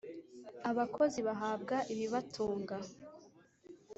Abakozi bahabwa ibibatunga.